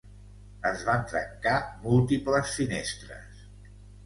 Es van trencar múltiples finestres.